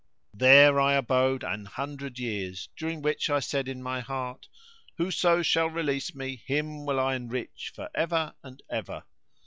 There I abode an hundred years, during which I said in my heart, "Whoso shall release me, him will I enrich for ever and ever."